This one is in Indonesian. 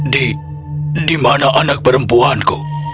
di dimana anak perempuanku